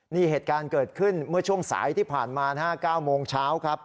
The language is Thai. นี่เหตุการณ์เกิดขึ้นเมื่อช่วงสายที่ผ่านมานะฮะ๙โมงเช้าครับ